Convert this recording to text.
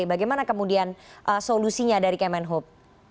bagaimana kemudian solusinya dari kemen hub